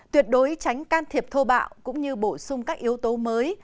tuyệt đối tránh can thiệp thô bạo cũng như bổ sung các yếu tố mới